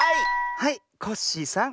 はいコッシーさん。